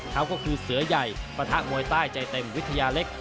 เขาก็คือเสือใหญ่ปะทะมวยใต้ใจเต็มวิทยาเล็ก